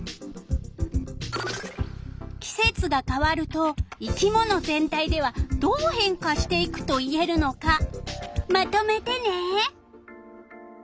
季節が変わると生き物全体ではどう変化していくと言えるのかまとめてね！